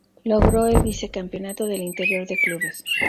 Logró el vice campeonato del Interior de clubes.